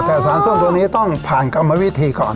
แต่สารส้มตัวนี้ต้องผ่านกรรมวิธีก่อน